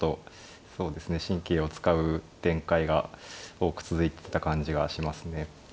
神経を使う展開が多く続いてた感じがしますね。